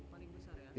paling besar ya